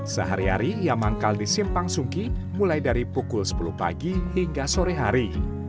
sehari hari ia manggal di simpang sungki mulai dari pukul sepuluh pagi hingga sore hari